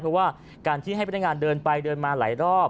เพราะว่าการที่ให้พนักงานเดินไปเดินมาหลายรอบ